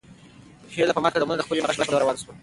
هیله په ماتو قدمونو د خپلې مور د غږ په لور روانه شوه.